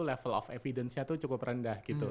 level of evidence nya itu cukup rendah gitu